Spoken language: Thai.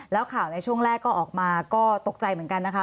แล้วข่าวในช่วงแรกก็ออกมาก็ตกใจเหมือนกันนะคะ